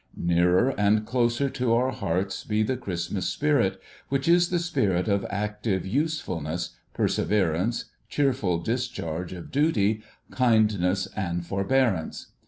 Nearer and closer to our hearts be the Christmas spirit, which is the spirit of active usefulness, perseverance, cheerful discharge of duty, kindness and forbearance